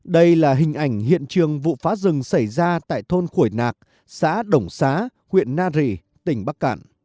đây là hình ảnh hiện trường vụ phá rừng xảy ra tại thôn khuổi nạc xã đồng xá huyện na rì tỉnh bắc cản